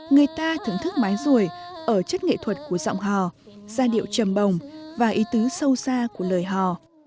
người ta thưởng thức mái ruồi ở chất nghệ thuật của giọng hò giai điệu trầm bồng và ý tứ sâu xa của lời hò